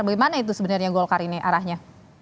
bagaimana itu sebenarnya golkar ini arahnya